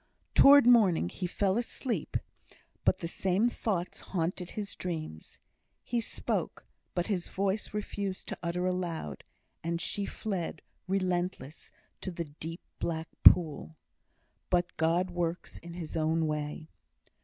Towards morning he fell asleep, but the same thoughts haunted his dreams; he spoke, but his voice refused to utter aloud; and she fled, relentless, to the deep, black pool. But God works in His own way.